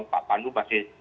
pak pandu masih